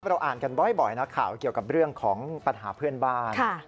เราอ่านกันบ่อยนะข่าวเกี่ยวกับเรื่องของปัญหาเพื่อนบ้าน